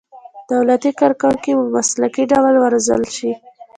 دولتي کارکوونکي په مسلکي ډول وروزل شي.